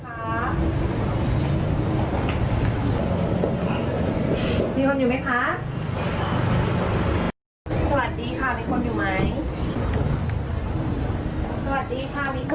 สวัสดีค่ะมีคนอยู่ไหม